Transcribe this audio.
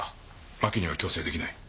真木には強制出来ない。